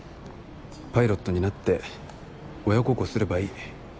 パイロットになって親孝行すればいい。